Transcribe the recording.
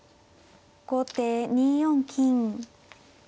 後手２四金。